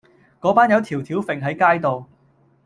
嗰班友吊吊揈喺街度